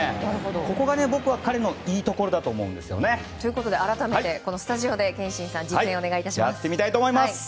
ここが僕は、彼のいいところだと思うんですよね。ということで改めてスタジオで憲伸さん実演をお願いいたします。